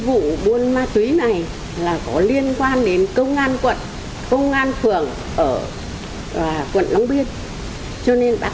vụ buôn ma túy này là có liên quan đến công an quận công an phường ở quận long biên cho nên